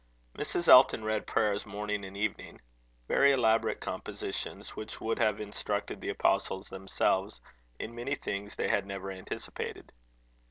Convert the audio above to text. Mrs. Elton read prayers morning and evening; very elaborate compositions, which would have instructed the apostles themselves in many things they had never anticipated.